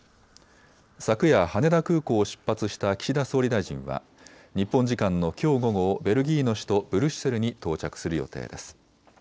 昨夜、羽田空港を出発した岸田総理大臣は日本時間のきょう午後、ベルギーの首都ブリュッセルに到着する予定です。